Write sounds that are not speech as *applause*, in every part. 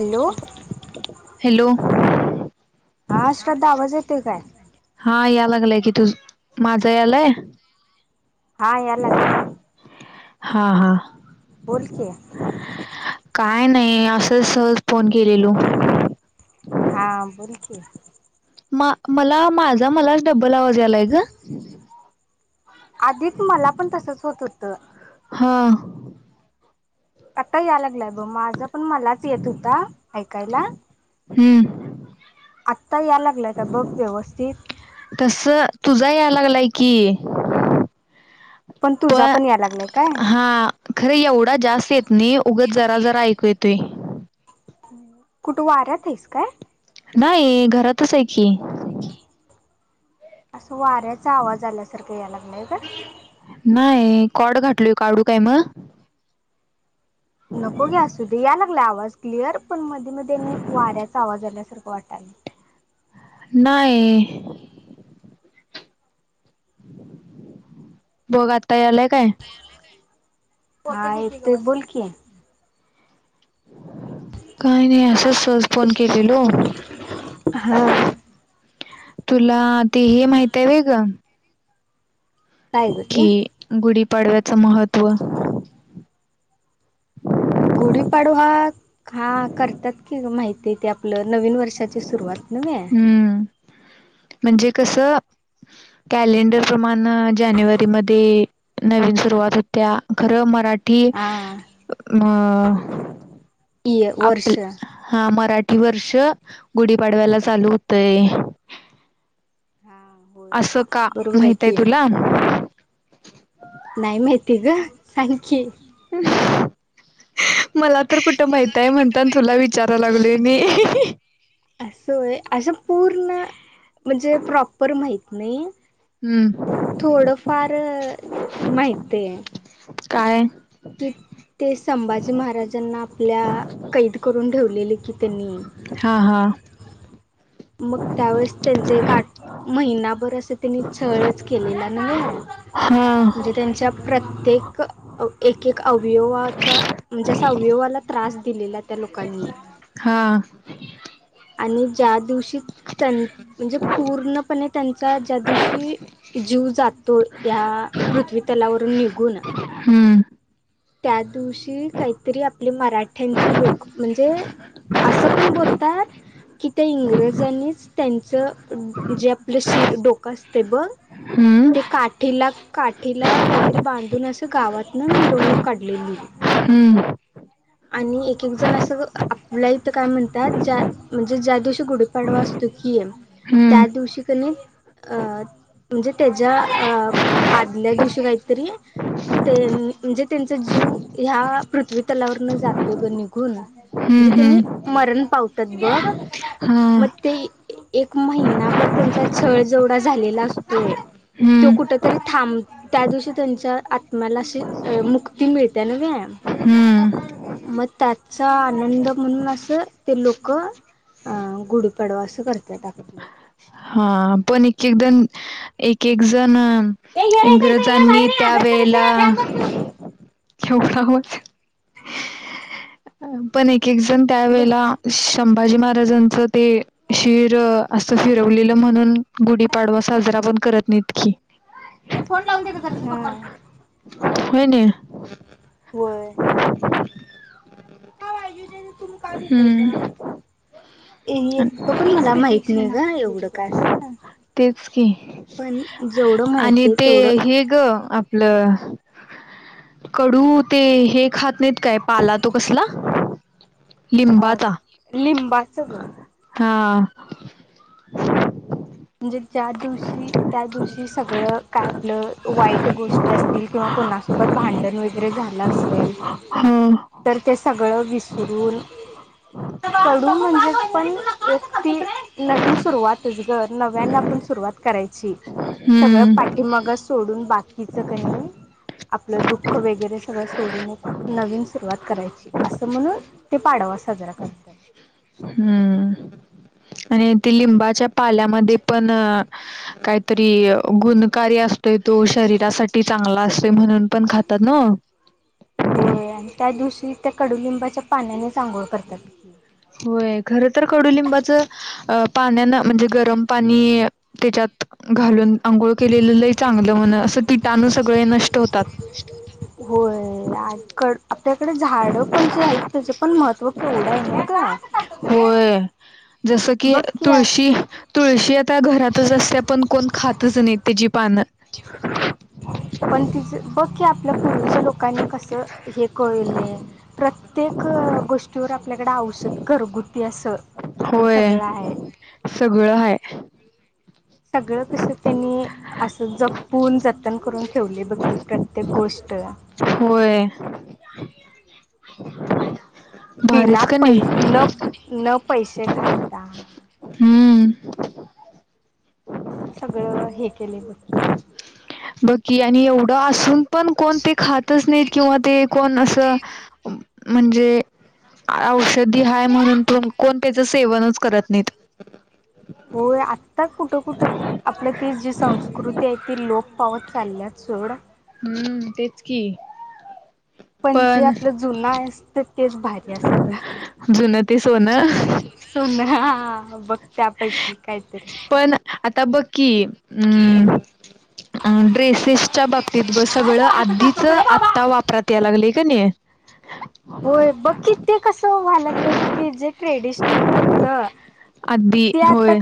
Hello hello हा श्रद्धा आवाज येतोय काय? हा या लागलाय की तूझ माझा यालाय हा यायला लागलाय- हा हा बोल की काय नाही असं सहज फोन केलेलो. हा बोल, की मला माझा मलाच डब्बल आवाज यालाय ग. आधीच मला पण तसंच होत होतं. हां. आता याय लागलाय ब मा माझं पण मलाच येत होता ऐकायला. हम्म आत्ता या लागलाय का बघ व्यवस्थित. तस तुझा याय लागलाय कि पण तुझा पण या लागला. हा खरे एवढा जास्त येत नाही उगं जरा जरा ऐकू येतोय कुठे वाऱ्यात आहेस काय. नाही घरातच आहे की. असं वाऱ्याचा आवाज आल्यासारखं यायलाग ग नाही कॉड घातल काढू काय मग. नको घ्या असु दे या लागला आवाज. क्लिअर पण मध्ये मध्ये वाऱ्याचा आवाज आल्यासारखं वाटालाय. नाही. बघ आता यालाय काय. हाय तु बोल कि. काय नाही अस सहज फोन केलेलो. हा तुला ते हे माहित आहे वे ग. काय ग कि ते गुढीपाडव्याचं महत्त्व. गुढीपाडवा हा ह करतात की माहिती आहे ते आपलं नवीन वर्षाची सुरुवात. नव्हे हम्म म्हणजे कस. कॅलेंडर प्रमाण जानेवारी मध्ये. नवीन सुरुवात होत्या खरं मराठी. हा अ इ वर्ष आपल्या हा मराठी कि वर्ष गुढीपाडवा्याला चालू होतय. होय असं का बरोबर आहे माहितय तुला. नाहीय माहती ग सांग की मला तर कुठं माहित आहे म्हणताना तुला विचाराय लागले मी. असं आहे असं पूर्ण म्हणजे प्रॉपर माहीत नाही हम्म थोडं फार माहितय. काय. संभाजी महाराजांना आपल्या कैद करून ठेवलेले की त्यांनी. हा हा. मग त्यावेेळेस त्यांच एक आठ महिनाभर असं त्यांनी छळच केलेला ना. हा प्रत्येक एक एक अवयवाचा म्हणजे अवयवाला त्रास दिलेला त्या. लोकाांनी.. हा. आणि ज्या दिवशी--. म्हणजे पूर्णप त्यां ज्या दिवशी त्यांचा जीव जातो यि. या पृथ्वी तलावरून निघून हम्म त्या दिवशी काहीतरी आपले मराठ्यांची लोक म्हणजे असं पण बोलतात. कि त्या इंग्रजांनीच त्यांचं जे आपलं शिर डोकं असते बघ हम्म ते काठीला काठीला काहीतरी बांधून असं गावात मी मिरवणुक काढलेलीे. हम्म आणि एक एक जण असं आपल्या इथं काय म्हणतात ज्या म्हणजे ज्या दिवशी गुढीपाडवा असतो. त्या हम्म दिवशी अन. म्हणजे त्याच्या अ आदल्या दिवशी काहीतरी म्हणजे त्यांचा जीव ह्या पृथ्वी तलावर जातय निघून म्हणजे हम्म त्यांनी हम्म मरण पावतात ब हा मग ते एक महिनाभर त्यांचा छळ जेवढा झालेला असतोय. तो कुठ हम्म तरी थांब त्या दिवशी त्यांच्या आत्म्याला अशी मुक्ती मिळते नव्हे हम्म मग त्याचा आनंद म्हणून असं ते लोक अं गुढीपाडवा असं करत हा पण एक एक जण एक एक जण ये ये रे इथं इथं ये इंग्रजांनी बाहेर ये त्या अभ्यास वेळे करायची ना ला फॅन बंद करून *inaudible* पण एक एक जण त्या वेळेला घे शुक संभाजी महाराजांच ते शिर असिर ठेवलेल म्हणून गुढीपाडवा साजरा पण करत नाहीत की ते फोन लावून दे गं जरासं पप्पाला. होय न बर *inaudible* तुम्ही काय घेतलायसा? हम्म ए येत प पण मला माहित नाही ग एवढं काय असंत तेच की आणि माहिती आहे ते तेवढं हे ग आपलं कडू ते हे खात नाहीत काय पाला तो कसला अ लिंबाचा लिंबाचं ग हा - म्हणजे ज्या दिवशी त्या दिवशी सगळं काय आपलं वाईट गोष्ट असतील किंवा कोणासोबत भांडण वगैरे झालं असेल ह तर ते सगळं विसरू कडु म्हणजे पण एक तीनवीन सुरवात नव्यान आपण सुरुवात करायची सगळं. हम्म पाठीमाग सोडून ब हीच कणी आपलं दुःख वगैरे सगळ सोडून एक नवीन सुरवात करायची असं म्हणून ते पाठी हम्म आणि ते लिंबाच्या पाल्यामध्ये पण काहीतरी गुण कारी असतोय तो शरीरासाठी चांगला असतोय म्हणून पण खातात ना? होय आणि त्या दिवशी त्या कडुलिंबाच्या पाण्याने आंघोळ करतात होय खर तर कडुलिंबाचं अ पाण्यान म्हणजे गरम पाणी त्याच्यात घालून आंघोळ केलेलंलं लई चांगलं म्हण अस किटाणु सगळे नष्ट होतात. होय आपल्याकडे झाड ड पण जे आहे त पण महत्व केवढं आहे ना ग होय जस की तुळशी, तुळशी आता घरातच असते आपण कोण खात तसं नाही त्याची पान पण तिचं बघ की आपल्या पूर्वीच्या लोकांनी कसं हे कळलं प्रत्येक गोष्टीवर आपल्याकडे औषध घरगुती अस होय सगळं हाय सगळं कस त्यांनी असं जपून जतन करून ठेवले बघ की प्रत्येक गोष्ट ट होय *unintelligible* बिना भारीच का पै नाही न न पैसे घालता हम्म अस सगळं हे केले बघ की बग की आणि एवढं असून पण कोण ते खातच नाहीत किंवा ते कोण असं म्हणजे औषधी आहे, म्हणून कोण त्याच सेवनच करत नाहीत. हो आ आता कुठं कुठ आपल्या त जी संस्कृती आहे ती लोक पावत चालल्या सोड हम्म तेच कि पण जे आपलं जुना आहे असत तेच भारी असत, जुनं ते सोनं सोन बघ त्यापैकी कायतरी पण आता बघकी अम् ड्रेसेसच्या बाबतीत ब सगळं आधीच आता वापरात या लागले. कनी होय बघ कि ते कसं व्हा लागलं की जे ट्रेडिशनल होत अदी, होय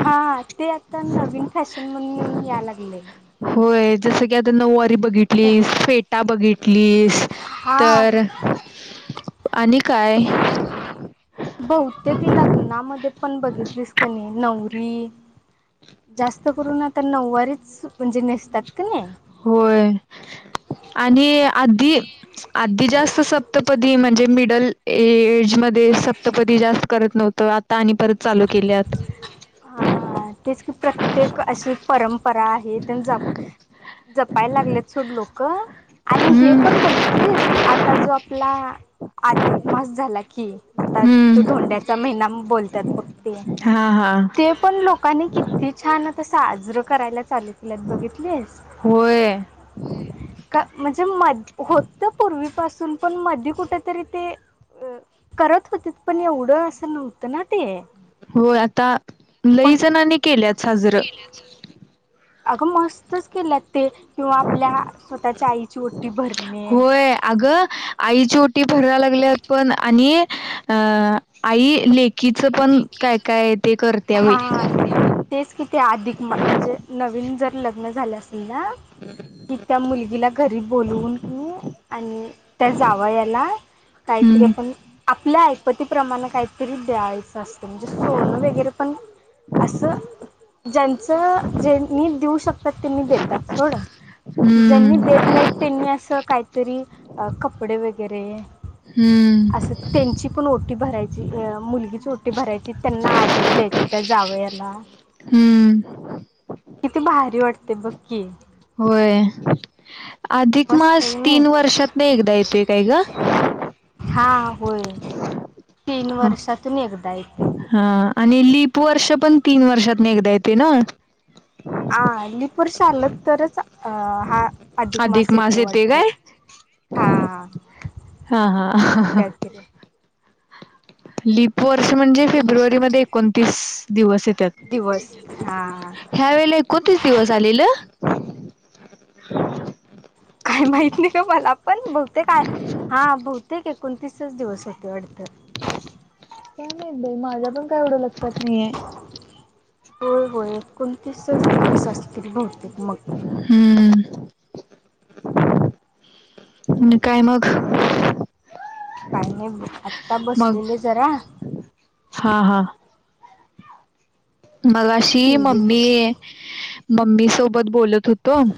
हा ते आता नवीन फॅशन म्हण येऊन या लागलय. होय जसं की आता नऊवारी बघितली, फेटा बघितली स हा तर आणि काय? बहुतेक लग्नामध्ये पण बघितलीस का नाही नवरी जास्त करून आता नऊवारीच तात कनी होय आणि आधी आधी जास्त सप्तपदी म्हणजे मिडल एज मध्ये सप्तपती जास्त करत नव्हत आता आणि परत चालू केल्यात. हा तेच की प्रत्येक अशी परंपरा आहे ज जपायला लागलेत सोड लोक आणि हे हम्म पण बघितलीस आता जो आपला अधिक मास झाला की आता त हम्म धोंड्याचा महिना बोलतात बघ ते हा हा ते पण लोकांनी किती छान आता साजरं करायला चालू केल्यात बघीतलीस, होय म्हणजे होत पुर्वी पासून पण मध्ये कुठेतरी ते अ करत होती पण एवढं असं नव्हतं ना ते हो आता पण लईजणनी केल्यात साजरं अगं मस्तच केलंत ते किंवा आपल्या स्वतःच्या आईची ओटी भरणे. भराय लागल्या पण आणि आई लेख चकीचं पण काय काय ते करत्या बाई हा तेच किती अधिक म्हणजे नवीन जर लग्न झालं असेल ना कि त्या मुलगीला घरी बोलवून कणे आणि त्या जावयाला काहीतरी हम्म आपण आपल्या ऐपतीप्रमाणे काहीतरी द्यायच. नसतं पण म्हणजे सोनं वगैरे पण असं ज्यांचं जे नी देऊ शकतात ते नी देतात सोड ज्यांनी देत हम्म नाही त्यांनी असं काहीतरी कपडे वगै वगैरे हम्म अस त्यांची पण ओटी भरायची, आ मुलगीची ओटी ओटी भरायची त्यांना आहेर द्यायचा, त्या जावयाला हम्म किती भारी वाटते बघ कि, होय, अधिक मस्त मास आहे तीन नाही वर्षात नएकदा येतोय काय ग? हा होय तीन हा वर्षातून एकदा येतय ते ते वर्ष पण तीन वर्षात एकदा येते ना हा लिपर वर्ष श आल तरच अ हा अधिक मास येतो वाटत हा हा हा असं काहीतरी लिप वर्ष म्हणजे फेब्रुवारी मध्ये एकोणतीस दिवस. त्यात दिवस हा ह्या वेळे ला एकोणतीस दिवस आलेल. *inaudible* काय माहित नाही ग मला पण बहुतेक हा बहुतेक एकोणतीसच दिवस होते वाटत. काय माहित बाई माझ्या पण काय एवढं लक्षात नाहीय. होय होय एकोणतीस च दिवस असतील बहूतेक मग. हम्म आणि काय मग. काही नाही आता मग बसलेले जरा. हा हा मग अशी टी व्ही मम्मी बघत मम्मी सोबत बोलत. तोम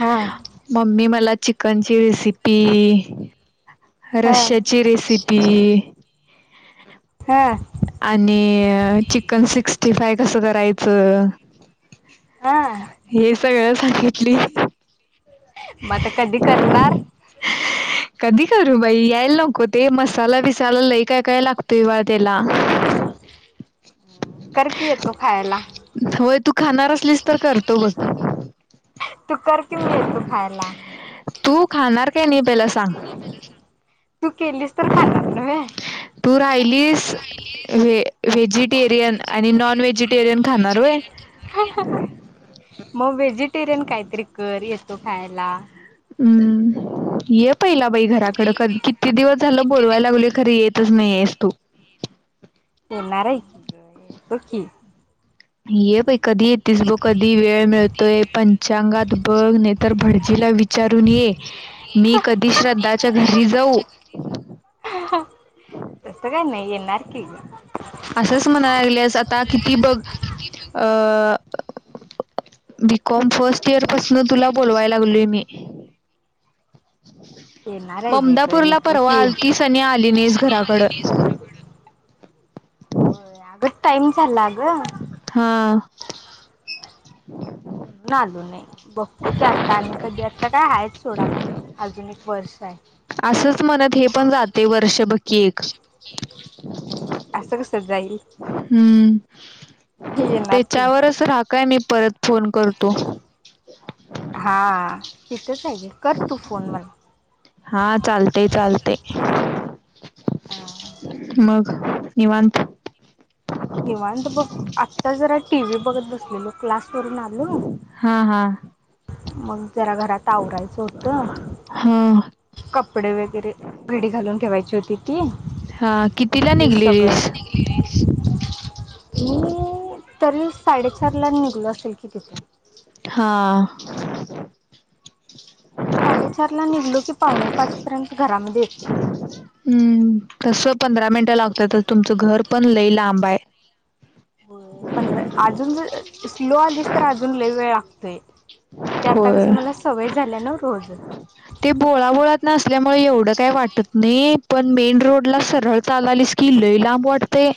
हा मम्मी मला चिकनची रेसिपी हा रश्याची रेसिपी हा. आणि चिकन सिक्स्टी फाय कसं करायचं. हा. हे सगळं सांगितली. म आता कधी करणार. कधी करू बाई यायला नको ते मसाला बिसाला लई काय काय लागतोय बाळ त्याला. करकी येतो खायाला. होय तू खाणार असलीस तर करतो बघ. तू कर कि मी येतो खायला. तू खाणार काय नाही पहिला सांग. तू केलीस तर खाणार नव्हे तू राहिलीस व्हे व्हेजि टेरिअन आणि नॉन वेझी मग व्हेझीटेरिअन काय तरी कर ये तो खायला. हम्म ये पहिला बाई घराकड क किती दिवस झालं बोल वायला लागलोय खरं येत च नाहियस तू. येणारे बघ की. ये बाई कधी येतीस स बघ कधी वेळ मिळतोय पंचांगात बघ नाही तर भडजी विचारून ये मी कधी श्रद्धाच्या घरी जाऊ. तस काय नाही येणार कि. असंच म्हणा लागलेस आता किती बघ अ बीकॉम फर्स्ट इयर पासून तुला बोलवाय लागलोय मी. येणार आहे की ग ममदापूरला येतो परवा की आलतीस आणि आली नाहीस घराकड. हो अग टाईम झाला ग. हा. म्हणून आलो नाही बघतो की आता आणि कधी आता काय हाय सोडा अजून एक वर्ष हाय. असंच म्हणत हे पण जातय वर्ष बग की एक. हम्म असं कसं जाईल हम्म येणार की त्याच्यावरच रहा काय मी परत फोन करतो. हा तिथंच आहेे करतू फोन मला. हा चालतंय चालतंय. मग निवांत. निवांत बघ आता जरा टीव्ही बघत बसलेलो. क्लास करून आलो. हा हा मग जरा घरात आवरायचं होतं. हा कप कपडे वगैरे घडी घालून ठेवायची होती ती. हा कितीला हे सगळं. निघलेलीस अम्म. तरी साडेचारला निघलो असेल कि तिथून. हा *inaudible* साडेचारला निघलो की पावणेपाचपर्यंत घरामध्ये येतोय हम्म तस पंधरा मिनिटं लागत्यातच तुमचं घर पण लई लांब आहे होय पंधरा अजून स्लो आलीस तर अजून लय वेळ लागतोय ते आता कस होय मला सवय झाल्या नव ते बोळाबोळात आसल्यामुळे एवढं काय वाटत नाही पण मेन रोडला सरळ चाललीस की लय लांब वाटतंय